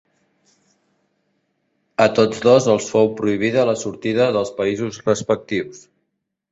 A tots dos els fou prohibida la sortida dels països respectius.